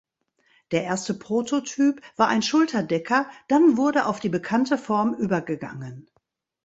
Der erste Prototyp war ein Schulterdecker, dann wurde auf die bekannte Form übergegangen.